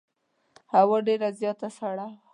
هوا ډېره زیاته سړه وه.